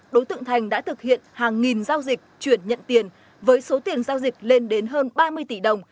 đối tượng thành đã thực hiện hàng nghìn giao dịch chuyển nhận tiền với số tiền giao dịch lên đến hơn ba mươi tỷ đồng